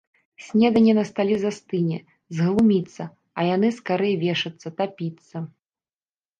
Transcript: Снеданне на стале застыне, зглуміцца, а яны скарэй вешацца, тапіцца!